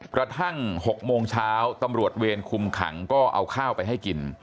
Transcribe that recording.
กระทั่ง๖โมงเช้าตำรวจเวรคุมขังก็เอาข้าวไปให้กิน